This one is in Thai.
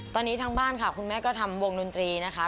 ตอนนี้ทางบ้านค่ะคุณแม่ก็ทำวงดนตรีนะคะ